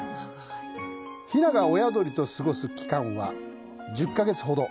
ひなが親鳥と過ごす期間は１０か月ほど。